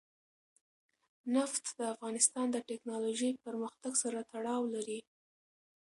نفت د افغانستان د تکنالوژۍ پرمختګ سره تړاو لري.